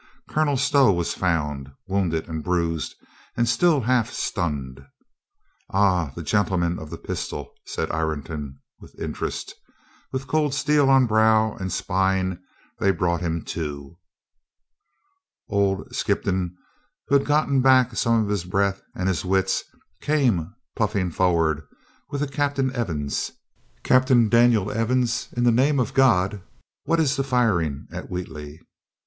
Colonel Stow was found, wounded and bruised and still half stunned. "Ah. The gentle man of the pistol," said Ireton with interest. With cold steel on brow and spine they brought him to. Old Skippon, who had got back some of his breath and his wits came puffing forward with a, "Captain Evans, Captain Daniel Evans, in the name of God, what is the firing at Wheatley?"